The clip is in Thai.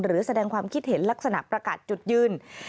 หรือแสดงความคิดเห็นลักษณะประกาศจุดยืน